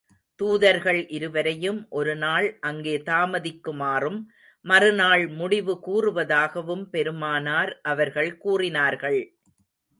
தூதர்கள் இருவரையும் ஒரு நாள் அங்கே தாமதிக்குமாறும், மறு நாள் முடிவு கூறுவதாகவும், பெருமானார் அவர்கள் கூறினார்கள்.